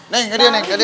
neng gadiah neng gadiah